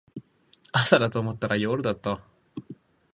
朝だと思ったら夜だった